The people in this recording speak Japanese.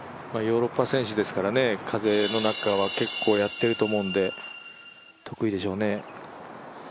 ヨーロッパ選手ですから、風の中は結構やっていると思うので得意でしょうね。